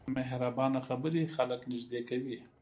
مهربانه خبرې خلک نږدې کوي.